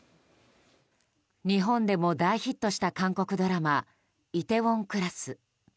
日本でも大ヒットした韓国ドラマ「梨泰院クラス」。